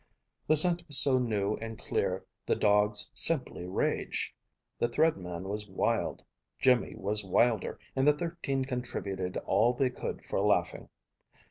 The scent was so new and clear the dogs simply raged. The Thread Man was wild, Jimmy was wilder, and the thirteen contributed all they could for laughing.